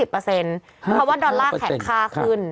เพราะว่าดอลลาร์แข็งค่าขึ้น